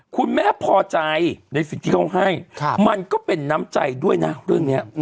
คุณแม่พอใจในสิ่งที่เขาให้มันก็เป็นน้ำใจด้วยนะเรื่องนี้